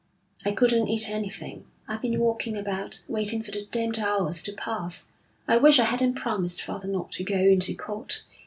'I couldn't eat anything. I've been walking about, waiting for the damned hours to pass. I wish I hadn't promised father not to go into court.